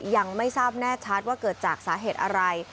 ยังไม่ทราบแน่ชัดว่าเกิดจากสาเหตุอะไร